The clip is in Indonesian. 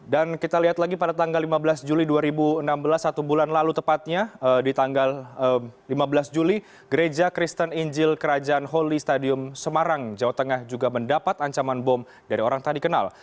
dan kita lihat lagi pada tanggal lima belas juli dua ribu enam belas satu bulan lalu tepatnya di tanggal lima belas juli gereja kristen injil kerajaan holy stadium semarang jawa tengah juga mendapat ancaman bom dari orang tak dikenal